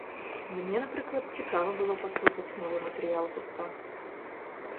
Мне, напрыклад, цікава было паслухаць новы матэрыял гурта.